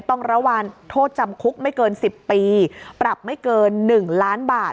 ต้องระวังโทษจำคุกไม่เกิน๑๐ปีปรับไม่เกิน๑ล้านบาท